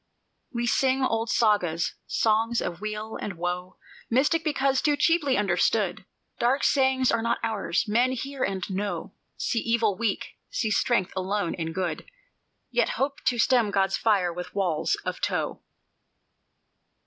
"We sing old Sagas, songs of weal and woe, Mystic because too cheaply understood; Dark sayings are not ours; men hear and know, See Evil weak, see strength alone in Good, Yet hope to stem God's fire with walls of tow.